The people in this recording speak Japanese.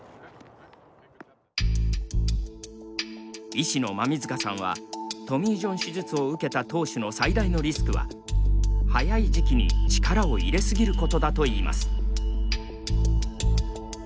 医師の馬見塚さんはトミー・ジョン手術を受けた投手の最大のリスクは早い時期に力を入れ過ぎることだといいます。